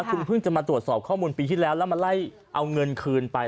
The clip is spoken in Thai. คุณเพิ่งจะมาตรวจสอบข้อมูลปีที่แล้วแล้วมาไล่เอาเงินคืนไป